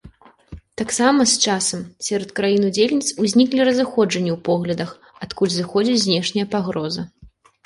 Таксама, з часам, сярод краін удзельніц узніклі разыходжанні ў поглядах, адкуль зыходзіць знешняя пагроза.